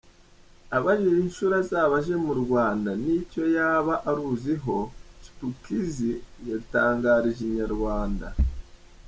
Abajijwe inshuro azaba aje mu Rwanda n’icyo yaba aruziho, Chipukizzy yatangarije inyarwanda.